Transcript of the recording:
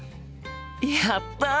やった！